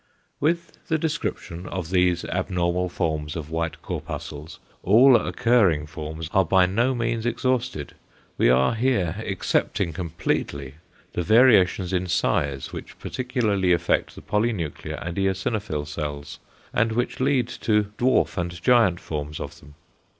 With the description of these abnormal forms of white corpuscles all occurring forms are by no means exhausted. We are here excepting completely the variations in size which particularly affect the polynuclear and eosinophil cells, and which lead to dwarf and giant forms of them.